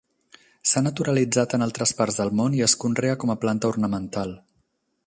S'ha naturalitzat en altres parts del món i es conrea com a planta ornamental.